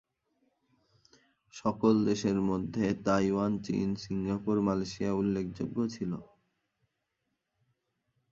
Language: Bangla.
সেসকল দেশের মধ্যে তাইওয়ান, চীন, সিঙ্গাপুর, মালয়েশিয়া উল্লেখযোগ্য ছিল।